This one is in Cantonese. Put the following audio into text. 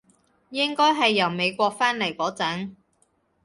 應該係由美國返嚟嗰陣